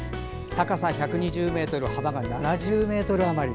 高さ１２０ｍ、幅が７０ｍ余り。